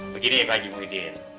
begini pak haji ibu idin